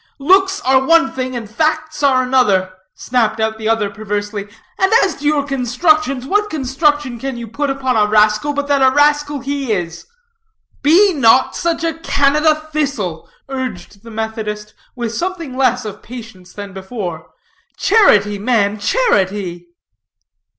"Looks are one thing, and facts are another," snapped out the other perversely; "and as to your constructions, what construction can you put upon a rascal, but that a rascal he is?" "Be not such a Canada thistle," urged the Methodist, with something less of patience than before. "Charity, man, charity."